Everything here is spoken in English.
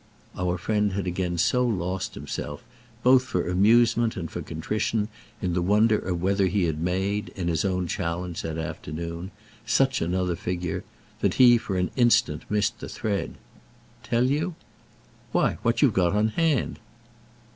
Our friend had again so lost himself, both for amusement and for contrition, in the wonder of whether he had made, in his own challenge that afternoon, such another figure, that he for an instant missed the thread. "Tell you—?" "Why what you've got on hand."